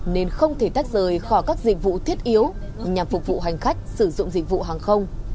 nên không thể tách rời khỏi các dịch vụ thiết yếu nhằm phục vụ hành khách sử dụng dịch vụ hàng không